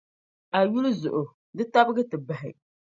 A yuli zuɣu, di tabigi ti bahi.